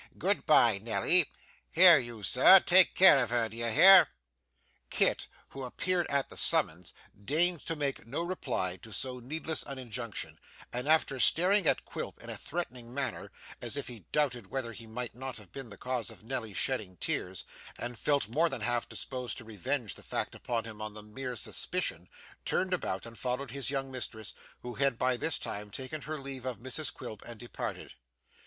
Good bye, Nelly. Here, you sir; take care of her, d'ye hear?' Kit, who appeared at the summons, deigned to make no reply to so needless an injunction, and after staring at Quilp in a threatening manner, as if he doubted whether he might not have been the cause of Nelly shedding tears, and felt more than half disposed to revenge the fact upon him on the mere suspicion, turned about and followed his young mistress, who had by this time taken her leave of Mrs Quilp and departed.